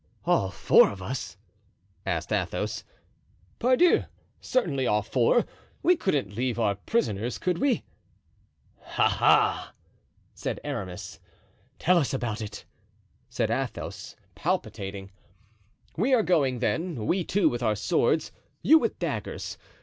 "All four of us?" asked Athos. "Pardieu! certainly, all four; we couldn't leave our prisoners, could we?" "Ah! ah!" said Aramis. "Tell us about it," said Athos, palpitating. "We are going, then, we two with our swords, you with daggers.